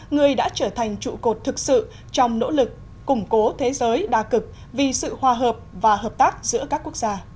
người đã trở thành trụ cột thực sự trong nỗ lực củng cố thế giới đa cực vì sự hòa hợp và hợp tác giữa các quốc gia